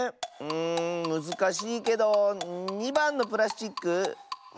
うんむずかしいけど２ばんのプラスチック？